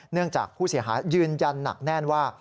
จากผู้เสียหายยืนยันหนักแน่นว่า